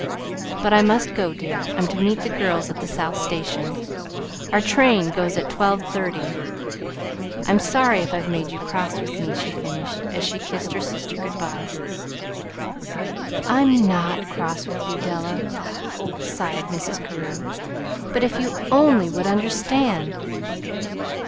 "But I must go, dear. I'm to meet the girls at the South Station. Our train goes at twelve thirty. I'm sorry if I've made you cross with me," she finished, as she kissed her sister good by. "I'm not cross with you, Della," sighed Mrs. Carew; "but if you only would understand!"